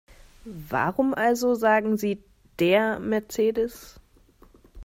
Warum also sagen Sie DER Mercedes?